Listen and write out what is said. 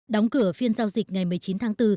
đóng cửa phiên giao dịch ngày một mươi chín tháng bốn